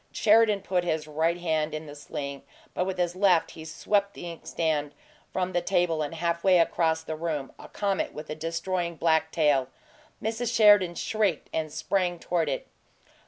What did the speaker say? Sheridan put his right hand in the sling, but with his left he swept the inkstand from the table and half way across the room a comet with a destroying black tail. Mrs. Sheridan shrieked and sprang toward it.